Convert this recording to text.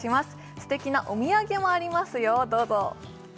すてきなお土産もありますよどうぞ！